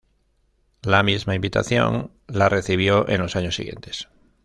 La misma invitación la recibió en los años siguientes.